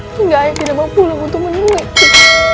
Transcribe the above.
hingga ayah tidak mau pulang untuk menuikku